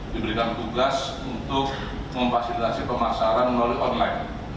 diberikan tugas untuk memfasilitasi pemasaran melalui online